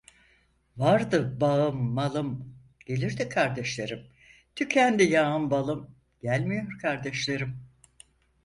Vardı bağım malım, gelirdi kardeşlerim; tükendi yağım balım, gelmiyor kardeşlerim.